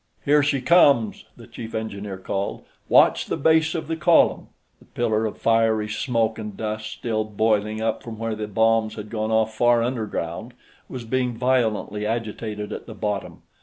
"Here she comes!" the chief engineer called. "Watch the base of the column!" The pillar of fiery smoke and dust, still boiling up from where the bombs had gone off far underground, was being violently agitated at the bottom.